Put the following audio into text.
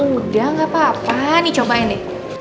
udah gapapa nih cobain deh